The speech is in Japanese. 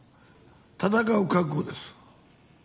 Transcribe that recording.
戦う覚悟です。